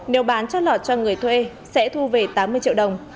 nếu bán cho lọt cho người thuê sẽ thu về tám mươi triệu đồng